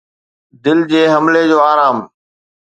دل جي حملي جو آرام